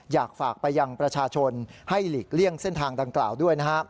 อยากฝากไปยังประชาชนให้หลีกเลี่ยงเส้นทางดังกล่าวด้วยนะฮะ